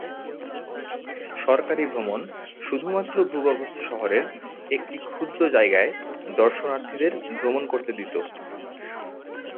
সরকারী ভ্রমণ শুধুমাত্র ভূগর্ভস্থ শহরের একটি ক্ষুদ্র জায়গায় দর্শনার্থীদের ভ্রমণ করতে দিত।